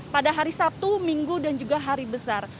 pada hari sabtu minggu dan juga hari besar